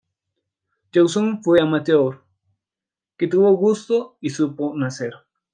Chausson fue un "amateur" que tuvo gusto y supo hacer.